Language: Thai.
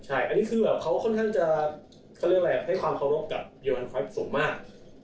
อันนี้คือเขาค่อนข้างจะคระแรกให้ความเคารพกับโยฮันครอยฟทสูงมาก